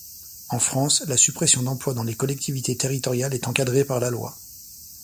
En France, la suppression d'emploi dans les collectivités territoriales est encadrée par la loi.